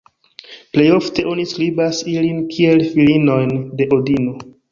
Plejofte oni priskribas ilin kiel filinojn de Odino.